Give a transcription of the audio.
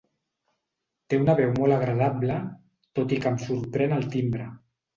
Té una veu molt agradable tot i que em sorprèn el timbre.